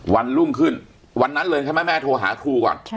วันรุ่งขึ้นวันนั้นเลยใช่ไหมแม่โทรหาครูก่อน